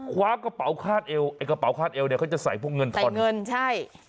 คว้ากระเป๋าคาดเอวไอ้กระเป๋าคาดเอวเนี่ยเขาจะใส่พวกเงินทอนเงินใช่